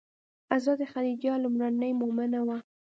حضرت خدیجه لومړنۍ مومنه وه.